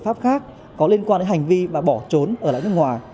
pháp khác có liên quan đến hành vi và bỏ trốn ở lại nước ngoài